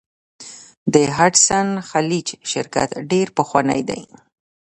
د هډسن خلیج شرکت ډیر پخوانی دی.